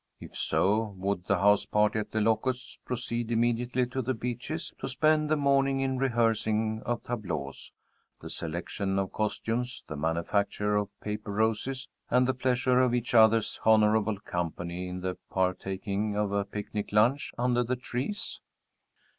If so, would the house party at The Locusts proceed immediately to The Beeches to spend the morning in the rehearsing of tableaux, the selection of costumes, the manufacture of paper roses, and the pleasure of each other's honorable company in the partaking of a picnic lunch under the trees?